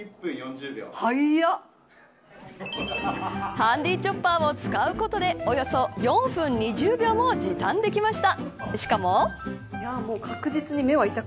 ハンディーチョッパーを使うことでおよそ４分２０秒も時短できました。